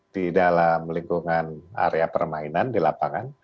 di dalam lingkungan area permainan di lapangan